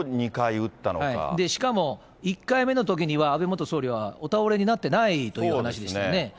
しかも、１回目のときには、安倍元総理はお倒れになってないという話でしたね。